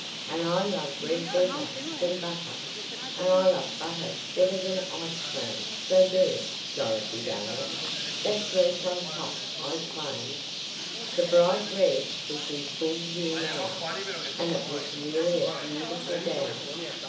"And I love red better than butter, and I love butter better than ice cream so there! Dorothy Dale, that dress on top I claim." The "bright red" was in full view now, and it was really a beautiful gown.